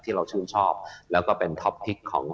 เราชื่นชอบแล้วก็เป็นท็อปพลิกของ